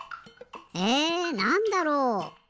えなんだろう？